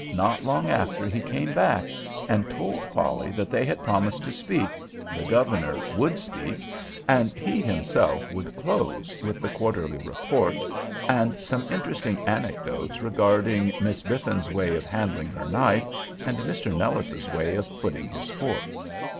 Not long after, he came back, and told Polly that they had promised to speak—the Governor would speak—and he himself would close with the quarterly report, and some interesting anecdotes regarding. Miss Biffin's way of handling her knife and Mr. Nellis's way of footing his fork.